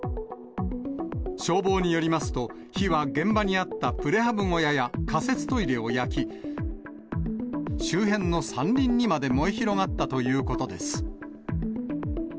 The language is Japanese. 消防によりますと、火は現場にあったプレハブ小屋や仮設トイレを焼き、周辺の山林にまで燃え広がったということです。